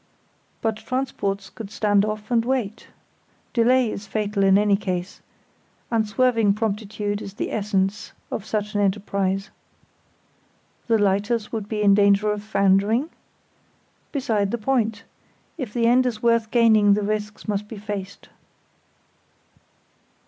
But transports could stand off and wait. Delay is fatal in any case; unswerving promptitude is the essence of such an enterprise. The lighters would be in danger of foundering? Beside the point; if the end is worth gaining the risks must be faced.